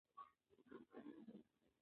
د لکۍ لرونکي ستوري هسته څو کیلومتره قطر لري.